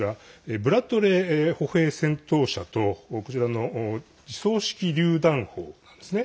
ブラッドレー歩兵戦闘車とこちらの自走式りゅう弾砲なんですね。